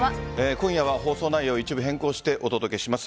今夜は放送内容を一部変更してお届けします。